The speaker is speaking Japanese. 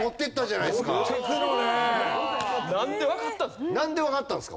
なんでわかったんですか？